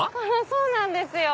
そうなんですよ。